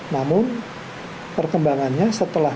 namun perkembangannya setelah